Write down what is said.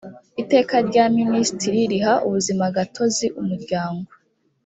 iteka rya minisitiri riha ubuzimagatozi umuryango.